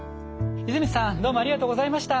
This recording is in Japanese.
泉さんどうもありがとうございました。